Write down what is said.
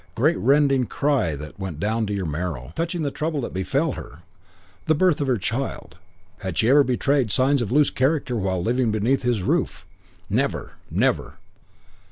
Great rending cry that went down to your marrow. "Touching the trouble that befell her, the birth of her child had she ever betrayed signs of loose character while living beneath his roof? 'Never! Never!'